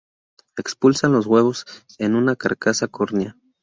Expulsan los huevos en una carcasa córnea.